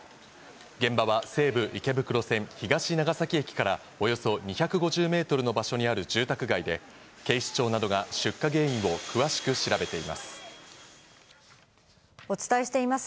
現場は西武池袋線東長崎駅からおよそ２５０メートルの場所にある住宅街で、警視庁などが出火原因を詳しく調べています。